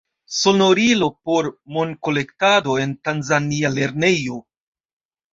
Sonorilo por monkolektado en tanzania lernejo.